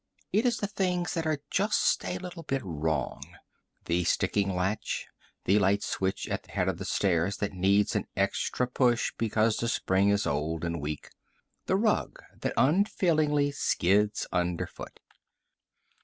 It is the things that are just a little bit wrong the sticking latch, the light switch at the head of the stairs that needs an extra push because the spring is old and weak, the rug that unfailingly skids underfoot.